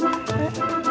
ini kita lihat